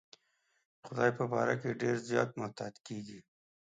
د خدای په باره کې ډېر زیات محتاط کېږي.